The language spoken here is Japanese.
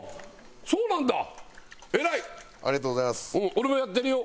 俺もやってるよ。